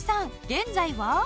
現在は。